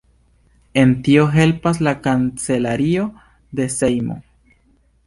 En tio helpas la kancelario de Sejmo.